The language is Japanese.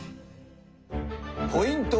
ポイント